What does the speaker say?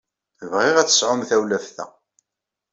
Bɣiɣ ad tesɛum tawlaft-a.